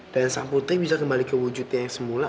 dan sang putri bisa kembali kewujudannya semula